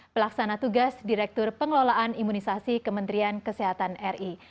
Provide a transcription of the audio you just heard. pelaksana tugas direktur pengelolaan imunisasi kementerian kesehatan ri